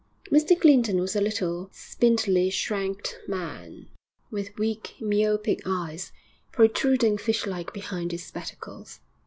Mr Clinton was a little, spindly shanked man, with weak, myopic eyes, protruding fishlike behind his spectacles.